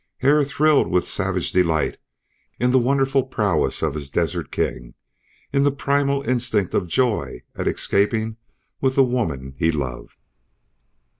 Hare thrilled with savage delight in the wonderful prowess of his desert king, in the primal instinct of joy at escaping with the woman he loved.